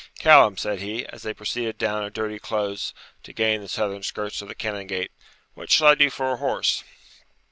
'Callum,' said he, as they proceeded down a dirty close to gain the southern skirts of the Canongate, 'what shall I do for a horse?'